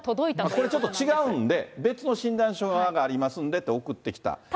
これ、違うんで、別の診断書がありますんでって送ってきた。